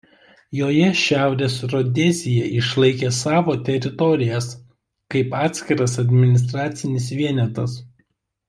Joje Šiaurės Rodezija išlaikė savo teritorijas kaip atskiras administracinis vienetas.